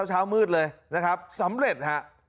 เช้ามืดเลยนะครับสำเร็จฮะ